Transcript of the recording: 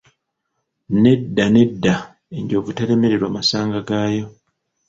Nedda, nedda, enjovu teremererwa masanga gaayo.